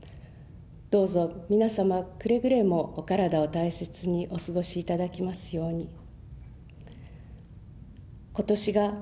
どうぞ皆様、くれぐれもお体を大切にお過ごしいただきますように。